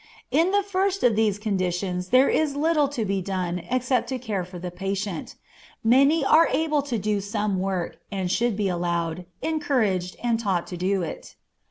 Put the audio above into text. In the first of these conditions there is little to be done except to care for the patient. Many are able to do some work, and should be allowed, encouraged, and taught to do it.